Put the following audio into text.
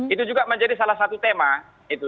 itu juga menjadi salah satu tema itu